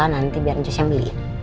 nanti biar anjus yang beli